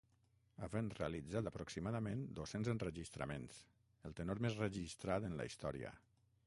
Havent realitzat aproximadament dos-cents enregistraments, el tenor més registrat en la història.